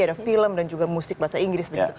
ada film dan juga musik bahasa inggris begitu